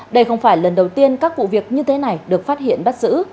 đây không phải lần đầu tiên các vụ việc như thế này được phát hiện bắt giữ